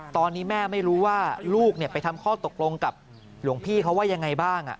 ตอนนี้แม่ไม่รู้ว่าลูกไปทำข้อตกลงกับหลวงพี่เขาว่ายังไงบ้าง